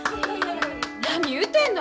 何言うてんの！